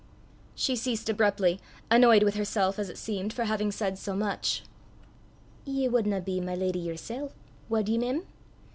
She ceased abruptly, annoyed with herself, as it seemed, for having said so much. "Ye wadna be my lady yersel', wad ye, mem?"